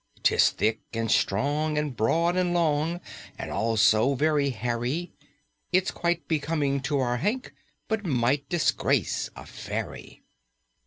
'Tis thick and strong and broad and long And also very hairy; It's quite becoming to our Hank But might disgrace a fairy!"